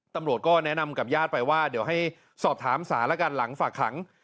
ตำรวจก็แนะนำกับญาติไปว่าเดี๋ยวให้สอบถามศาลแล้วกันหลังฝากขัง